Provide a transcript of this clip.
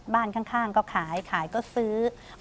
บ้านข้างก็ขายขายก็ซื้อ